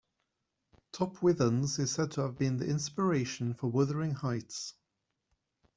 Top Withens is said to have been the inspiration for "Wuthering Heights".